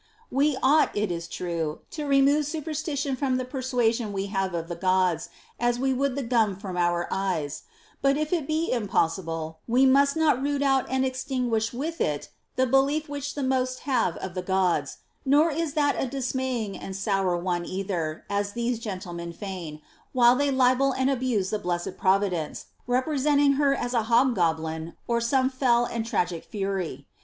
We ought, it is true, to remove superstition from the persuasion we have of the Gods, as we would the gum from our eyes ; but if that be impossible, we must not root out and extinguish with it the belief which the most have of the Gods ; nor is that a dismaying and sour one either, as these gentlemen feign, while they libel and abuse the blessed Providence, representing her as a hob goblin or as some fell and tragic fury.